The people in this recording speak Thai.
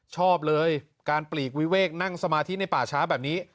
ชอบเลยการปลีกวิเวกนั่งสมาธิในป่าช้าแบบนี้